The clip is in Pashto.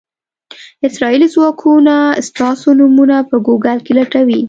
اسرائیلي ځواکونه ستاسو نومونه په ګوګل کې لټوي.